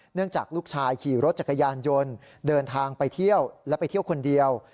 จากลูกชายขี่รถจักรยานยนต์เดินทางไปเที่ยวและไปเที่ยวคนเดียว